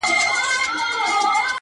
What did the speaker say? په تمثیل د څو ملگرو زړونه ساتم